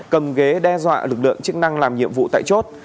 cầm ghế đe dọa lực lượng chức năng làm nhiệm vụ tại chốt